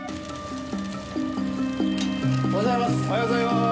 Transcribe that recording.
おはようございます。